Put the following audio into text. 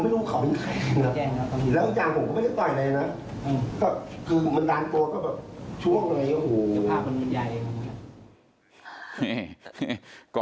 ถ้าเขาว่าเราถูกนะแต่ถ้าเขาว่าเราไม่ถูก